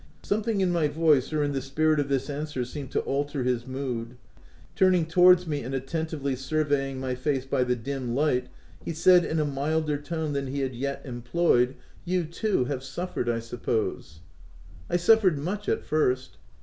Something in my voice or in the spirit of this answer seemed to alter his mood. Turn ing towards me and attentively surveying my face by the dim light, he s»d in a milder tone than he had yet employed,— OF WILDFELL HALL. 11 "You too have suffered, I suppose." " I suffered much, at first."